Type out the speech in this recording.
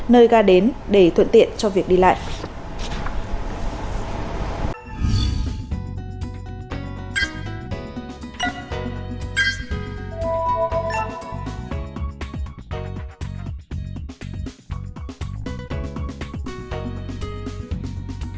nơi ga đến để thuận tiện cho việc đi lại